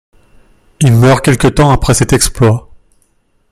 Il meurt quelque temps après cet exploit.